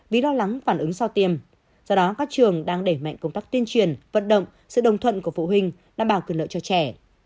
vì lo lắng phản ứng sau tiêm do đó các trường đang để mạnh công tác tiên truyền vận động sự đồng thuận của phụ huynh đảm bảo cường lợi cho trẻ